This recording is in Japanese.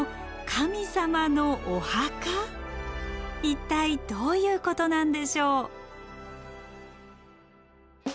一体どういうことなんでしょう？